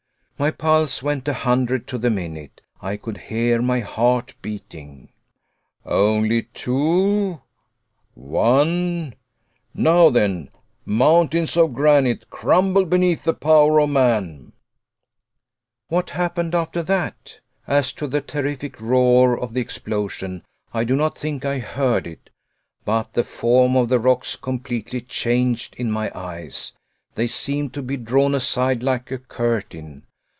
My pulse went a hundred to the minute. I could hear my heart beating. "Only two, one! Now, then, mountains of granite, crumble beneath the power of man!" What happened after that? As to the terrific roar of the explosion, I do not think I heard it. But the form of the rocks completely changed in my eyes they seemed to be drawn aside like a curtain.